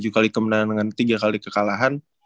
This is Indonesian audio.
tujuh kali kemenangan dengan tiga kali kekalahan